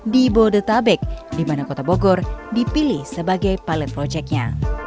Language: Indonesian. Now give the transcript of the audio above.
di bodetabek di mana kota bogor dipilih sebagai pilot projectnya